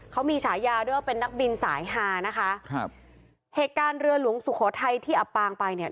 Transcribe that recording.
เขามีฉายาด้วยว่าเป็นนักบินสายฮานะคะครับเหตุการณ์เรือหลวงสุโขทัยที่อับปางไปเนี่ย